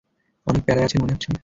অনেক প্যারায় আছেন মনে হচ্ছে।